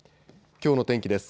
きょうの天気です。